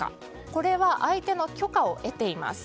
これは相手の許可を得ています。